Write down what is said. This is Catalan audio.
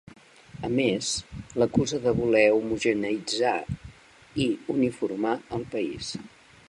A més, l’acusa de voler homogeneïtzar i uniformar el país.